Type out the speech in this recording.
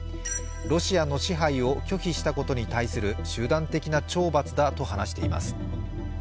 ロシアの支配を拒否したことに対する集団的な懲罰だと話しています。